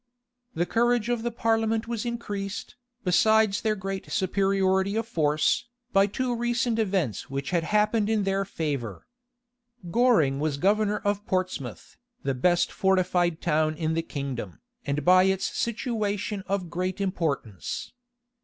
The courage of the parliament was increased, besides their great superiority of force, by two recent events which had happened in their favor. Goring was governor of Portsmouth, the best fortified town in the kingdom, and by its situation of great importance.